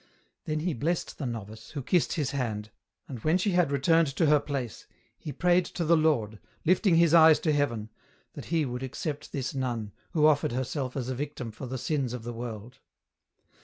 Then he blessed the novice, who kissed his hand, and when she had returned to her place, he prayed to the Lord, lifting his eyes to heaven, that He would accept this nun, who offered herself as a victim for the sins of the world.